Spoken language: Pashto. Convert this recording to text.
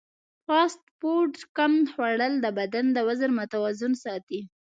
فاسټ فوډ کم خوړل د بدن وزن متوازن ساتي.